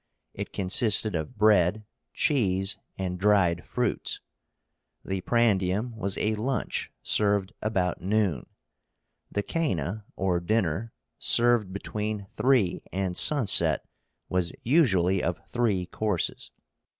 It consisted of bread, cheese, and dried fruits. The prandium was a lunch served about noon. The coena, or dinner, served between three and sunset, was usually of three courses.